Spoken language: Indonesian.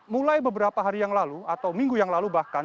mulai beberapa hari yang lalu atau minggu yang lalu bahkan